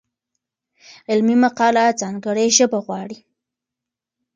علمي مقاله ځانګړې ژبه غواړي.